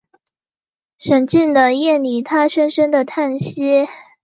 沈静的夜里他深深的叹息